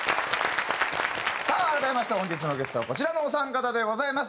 さあ改めまして本日のゲストはこちらのお三方でございます。